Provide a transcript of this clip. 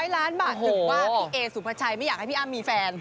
ล้านบาทถึงว่าพี่เอสุภาชัยไม่อยากให้พี่อ้ำมีแฟน